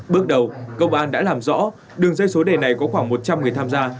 bước đầu công an đã làm rõ đường dây số đề này có khoảng một trăm linh người tham gia